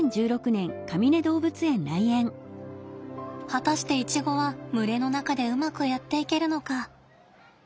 果たしてイチゴは群れの中でうまくやっていけるのか。